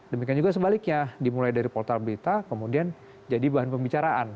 demikian juga sebaliknya dimulai dari portal berita kemudian jadi bahan pembicaraan